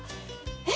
えっ？